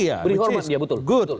oh iya beri hormat dia betul